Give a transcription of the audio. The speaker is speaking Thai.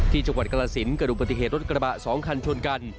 จังหวัดกรสินเกิดดูปฏิเหตุรถกระบะ๒คันชนกัน